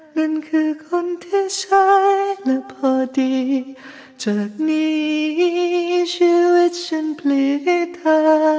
นั่นคือคนที่ใช้หรือพอดีจากนี้ชีวิตฉันพลีเธอ